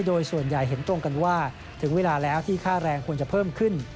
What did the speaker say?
โดยส่วนใหญ่เห็นตรงกันว่าถึงเวลาแล้วที่ค่าแรงควรจะเพิ่มขึ้น